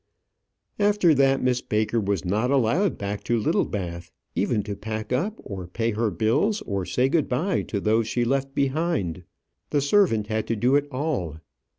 After that Miss Baker was not allowed back to Littlebath, even to pack up or pay her bills, or say good bye to those she left behind. The servant had to do it all.